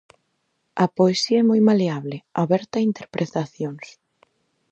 A poesía é moi maleable, aberta a interpretacións.